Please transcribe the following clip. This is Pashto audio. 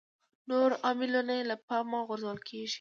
نور عاملونه یې له پامه غورځول کېږي.